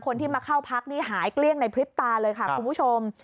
คนที่มาเข้าพักนี่หายเกลี้ยงในพริบตาเลยค่ะคุณผู้ชม